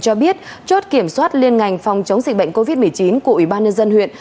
cho biết chốt kiểm soát liên ngành phòng chống dịch bệnh covid một mươi chín của ủy ban nhân dân huyện